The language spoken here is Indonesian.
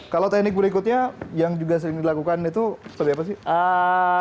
kalau teknik berikutnya yang juga sering dilakukan itu seperti apa sih